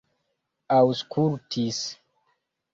aŭskultis